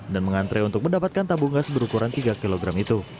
dan mengantre untuk mendapatkan tabung gas berukuran tiga kg itu